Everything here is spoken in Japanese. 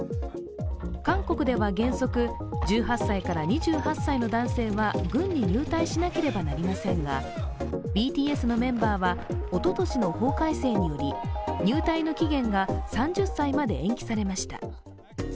韓国では原則１８歳から２８歳の男性は軍に入隊しなければなりませんがＢＴＳのメンバーは、おととしの法改正により入隊の期限が３０歳まで延期されました。